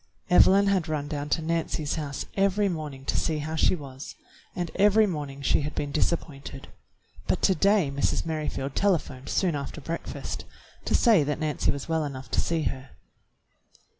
Evelyn had run down to Nancy's house every morning to see how she was, and every morning she had been disappointed, but to day Mrs. Merrifield telephoned soon after breakfast to say that Nancy was well enough to see her.